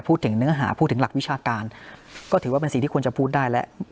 พูดถึงเนื้อหาพูดถึงหลักวิชาการก็ถือว่าเป็นสิ่งที่ควรจะพูดได้แล้ว